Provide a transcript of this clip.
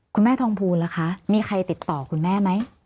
คุณแม่ทองภูลล่ะคะมีใครติดต่อคุณแม่ไหม